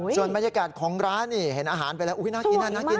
ส่วนบรรยากาศของร้านนี่เห็นอาหารไปแล้วน่ากินน่ากิน